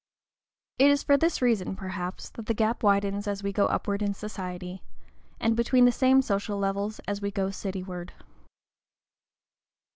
It is for this reason, perhaps, that the gap widens as we go upward in society, and between the same social levels as we go cityward.